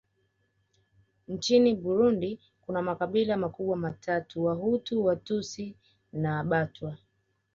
Nchini Burundi kuna makabila makubwa matatu Wahutu Watutsi na Batwa